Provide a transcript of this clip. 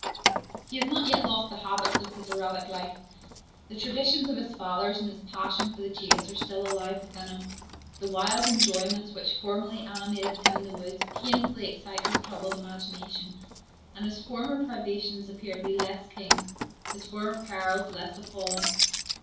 He has not yet lost the habits of his erratic life; the traditions of his fathers and his passion for the chase are still alive within him. The wild enjoyments which formerly animated him in the woods, painfully excite his troubled imagination; and his former privations appear to be less keen, his former perils less appalling.